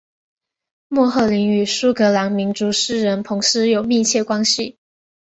莫赫林与苏格兰民族诗人彭斯有密切关系。